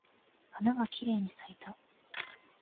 花がきれいに咲いた。